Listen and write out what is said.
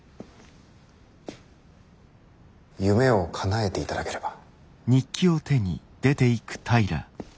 夢をかなえていただければ。